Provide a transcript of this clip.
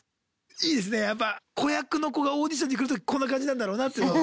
いいですねやっぱ子役の子がオーディションに来るときこんな感じなんだろうなっていうのを。